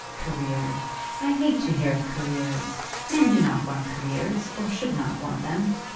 "Career! I hate to hear of careers. Men do not want careers, or should not want them.